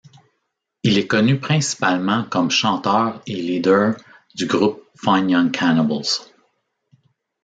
Il est connu principalement comme chanteur et leader du groupe Fine Young Cannibals.